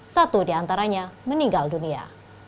satu di antaranya meninggal dunia